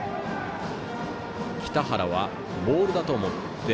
北原はボールだと思って